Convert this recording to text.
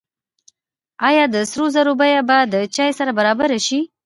آیا د سرو زرو بیه به د چای سره برابره شي؟